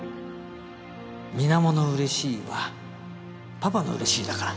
水面の嬉しいはパパの嬉しいだから